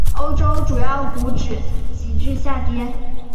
欧洲主要股指急剧下跌。